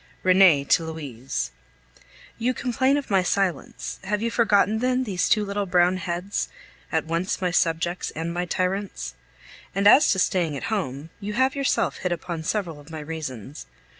RENEE TO LOUISE You complain of my silence; have you forgotten, then, those two little brown heads, at once my subjects and my tyrants? And as to staying at home, you have yourself hit upon several of my reasons.